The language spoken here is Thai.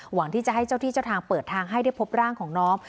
หวังที่จะให้เจ้าที่เจ้าทางเปิดทางให้ได้พบร่างของน้อง